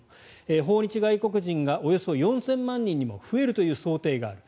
訪日外国人がおよそ４０００万人にも増えるという想定がある。